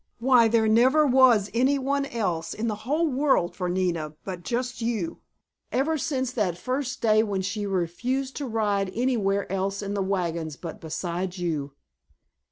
Why, there never was any one else in the whole world for Nina but just you, ever since that first day when she refused to ride anywhere else in the wagons but beside you!"